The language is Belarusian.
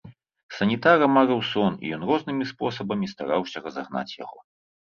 Санітара марыў сон, і ён рознымі спосабамі стараўся разагнаць яго.